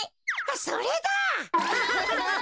それだ！